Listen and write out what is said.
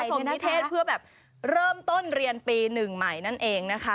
ปี๑พระสมมิเทศเพื่อแบบเริ่มต้นเรียนปี๑ใหม่นั่นเองนะคะ